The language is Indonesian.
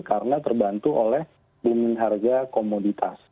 karena terbantu oleh bumi harga komoditas